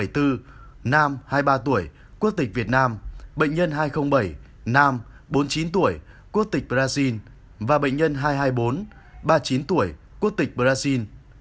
hai mươi ba tuổi quốc tịch việt nam bệnh nhân hai trăm linh bảy nam bốn mươi chín tuổi quốc tịch brazil và bệnh nhân hai trăm hai mươi bốn ba mươi chín tuổi quốc tịch brazil